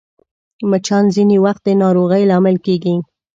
مچان ځینې وخت د ناروغۍ لامل کېږي